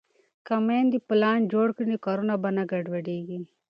که میندې پلان جوړ کړي نو کارونه به نه ګډوډېږي.